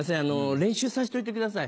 練習さしといてください。